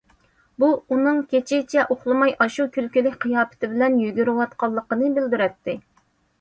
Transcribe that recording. بۇ ئۇنىڭ كېچىچە ئۇخلىماي ئاشۇ كۈلكىلىك قىياپىتى بىلەن يۈگۈرۈۋاتقانلىقىنى بىلدۈرەتتى.